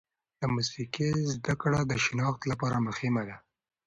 د موسیقي زده کړه د شناخت لپاره مهمه ده.